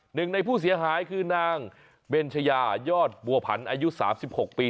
หนึ่งในผู้เสียหายคือนางเบนชยายอดบัวผันอายุ๓๖ปี